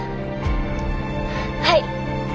はい。